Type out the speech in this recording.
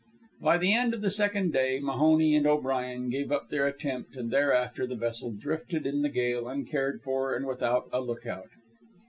By the end of the second day, Mahoney and O'Brien gave up their attempt, and thereafter the vessel drifted in the gale uncared for and without a lookout.